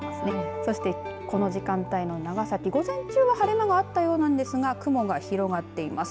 そして、この時間帯の長崎午前中は晴れ間があったようですが雲が広がっています。